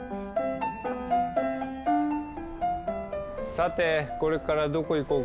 さてこれからどこ行こうか。